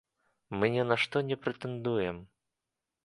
Мы не на што не прэтэндуем.